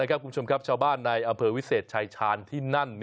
กรุ่มชมครับชาวบ้านในอับเผลวิเศษชายชาญที่นั้น